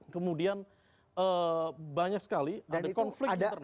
kemudian banyak sekali ada konflik di terbang